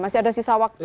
masih ada sisa waktu